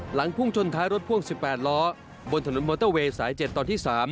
พุ่งชนท้ายรถพ่วง๑๘ล้อบนถนนมอเตอร์เวย์สาย๗ตอนที่๓